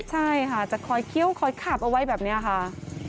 ใช่ค่ะจะคอยเคี้ยวคอยขับเอาไว้แบบนี้ค่ะ